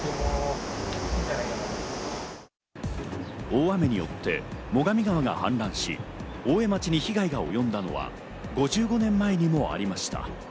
大雨によって最上川が氾濫し、大江町に被害がおよんだのは１５年前にもありました。